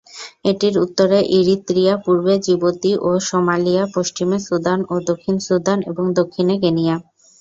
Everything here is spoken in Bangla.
এটির উত্তরে ইরিত্রিয়া, পূর্বে জিবুতি ও সোমালিয়া, পশ্চিমে সুদান ও দক্ষিণ সুদান, এবং দক্ষিণে কেনিয়া।